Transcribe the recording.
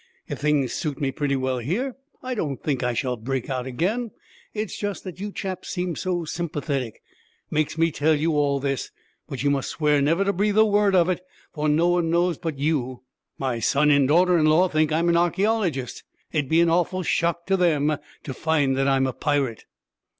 If things suit me pretty well here, I don't think I shall break out again. It is just that you chaps seem so sympathetic, makes me tell you all this; but you must swear never to breathe a word of it, for no one knows but you. My son and daughter in law think I'm an archæologist. It'd be an awful shock to them to find that I'm a pirate.'